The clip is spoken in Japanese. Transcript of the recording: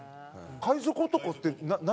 海賊男って何？